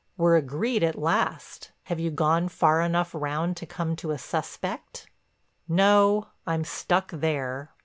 "We're agreed at last. Have you gone far enough round to come to a suspect?" "No, I'm stuck there."